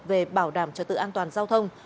về bảo đảm trật tự an toàn giao thông